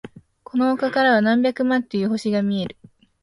この丘からは何百万という星が見える。